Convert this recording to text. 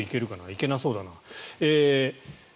行けなそうだな。